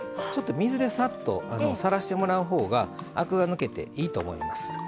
水でさっとさらしてもらうほうがアクが抜けていいと思います。